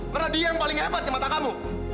karena dia yang paling hebat di mata kamu